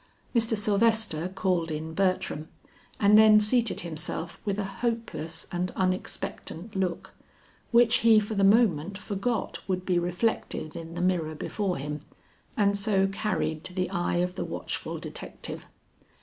Mr. Sylvester called in Bertram and then seated himself with a hopeless and unexpectant look, which he for the moment forgot would be reflected in the mirror before him, and so carried to the eye of the watchful detective.